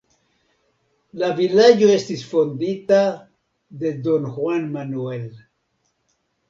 La vilaĝo estis fondita de Don Juan Manuel.